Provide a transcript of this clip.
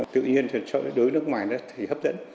tự nhiên cho đối với nước ngoài thì hấp dẫn